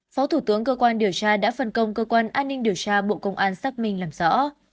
phó thủ tướng cơ quan điều tra đã phân công cơ quan an ninh điều tra bộ công an xác minh làm rõ